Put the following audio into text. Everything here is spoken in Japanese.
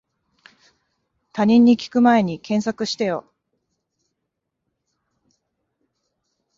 他人に聞くまえに検索してよ